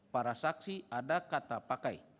para saksi ada kata pakai